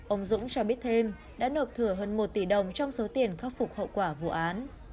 ông dũng cho biết thêm đã nộp thừa hơn một tỷ đồng trong số tiền khắc phục hậu quả vụ án